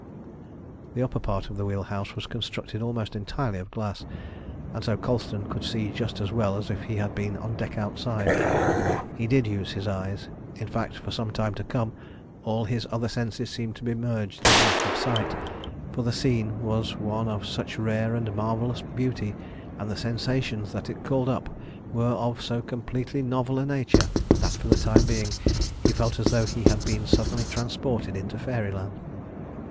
The upper part of the wheel house was constructed almost entirely of glass, and so Colston could see just as well as if he had been on deck outside. He did use his eyes. In fact, for some time to come, all his other senses seemed to be merged in that of sight, for the scene was one of such rare and marvellous beauty, and the sensations that it called up were of so completely novel a nature, that, for the time being, he felt as though he had been suddenly transported into fairyland.